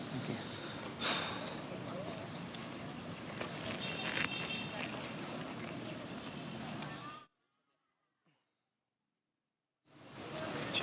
dan bisa juga